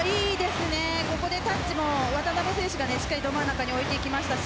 ここでタッチも渡邊選手がど真ん中に置いてきましたし